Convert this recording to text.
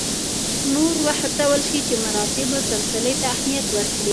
نور وهڅول شي چې مراتبو سلسلې ته اهمیت ورکړي.